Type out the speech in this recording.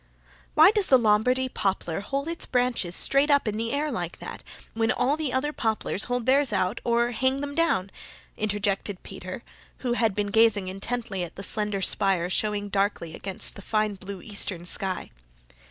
"Why does the Lombardy poplar hold its branches straight up in the air like that, when all the other poplars hold theirs out or hang them down?" interjected Peter, who had been gazing intently at the slender spire showing darkly against the fine blue eastern sky.